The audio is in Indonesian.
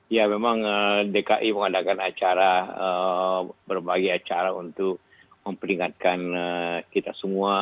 ya memang dki mengadakan acara berbagai acara untuk memperingatkan kita semua